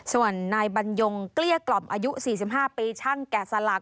ส่วนนายบรรยงเกลี้ยกล่อมอายุ๔๕ปีช่างแกะสลัก